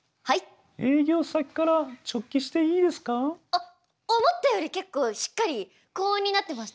あっ思ったより結構しっかり高音になってました。